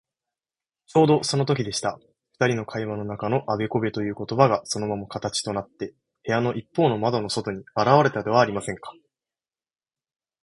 ちょうどそのときでした。ふたりの会話の中のあべこべということばが、そのまま形となって、部屋のいっぽうの窓の外にあらわれたではありませんか。